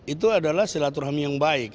itu adalah silaturahmi yang baik